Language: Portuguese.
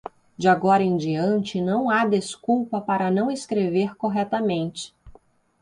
De agora em diante não há desculpa para não escrever corretamente.